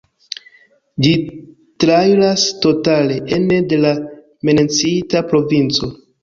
Ĝi trairas totale ene de la menciita provinco.